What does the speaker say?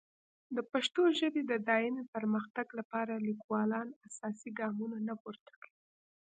د پښتو ژبې د دایمي پرمختګ لپاره لیکوالان اساسي ګامونه نه پورته کوي.